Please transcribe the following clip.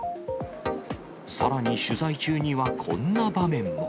さらに取材中にはこんな場面も。